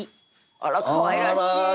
あらかわいらしい。